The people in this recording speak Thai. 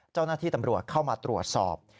เจ้าหน้าที่ตำรวจเข้ามาตรวจสอบ